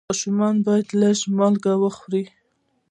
ماشومان باید لږ مالګه وخوري.